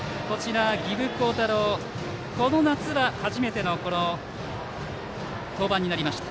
儀部皓太朗、この夏は初めての登板になりました。